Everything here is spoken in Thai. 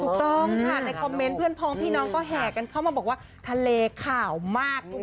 ถูกต้องค่ะในคอมเมนต์เพื่อนพ้องพี่น้องก็แห่กันเข้ามาบอกว่าทะเลข่าวมาก